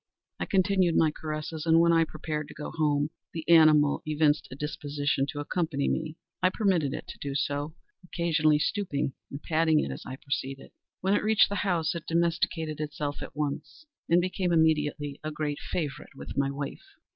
I continued my caresses, and, when I prepared to go home, the animal evinced a disposition to accompany me. I permitted it to do so; occasionally stooping and patting it as I proceeded. When it reached the house it domesticated itself at once, and became immediately a great favorite with my wife.